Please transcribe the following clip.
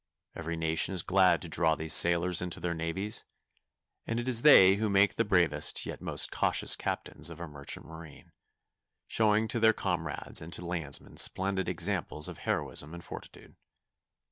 Every nation is glad to draw these sailors into their navies, and it is they who make the bravest yet most cautious captains of our merchant marine, showing to their comrades and to landsmen splendid examples of heroism and fortitude.